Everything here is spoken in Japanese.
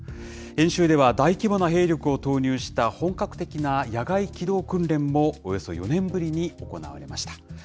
演習では、大規模な兵力を投入した本格的な野外機動訓練も、およそ４年ぶりに行われました。